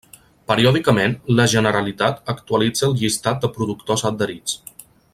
Periòdicament la Generalitat actualitza el llistat de productors adherits.